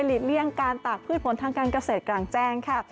เลี่ยงการตากพืชผลทางการเกษตรกลางแจ้งค่ะ